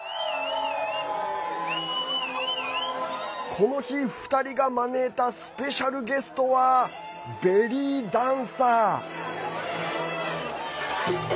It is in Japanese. この日、２人が招いたスペシャルゲストはベリーダンサー。